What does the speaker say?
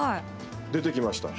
出てきました。